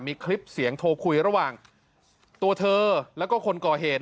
มีคลิปเสียงโทรคุยระหว่างตัวเธอแล้วก็คนก่อเหตุ